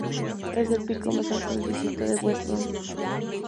Es el pico más alto del distrito de Westland.